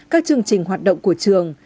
các chương trình hoạt động của trường